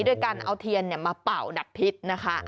ด้วยการเอาเทียนมาเป่าดักพิษนะคะ